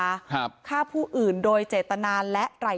ต้องรอผลพิสูจน์จากแพทย์ก่อนนะคะ